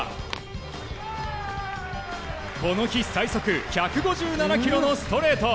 この日最速１５７キロのストレート。